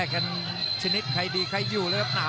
มังกรเขียวล็อกใน